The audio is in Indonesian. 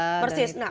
betul persis nah